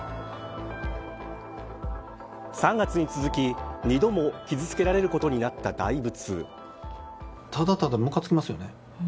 ３月に続き、２度も傷付けられることになった大仏。